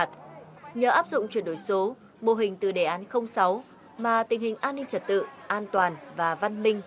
tổng số mô hình từ đề án sáu mà tình hình an ninh trật tự an toàn và văn minh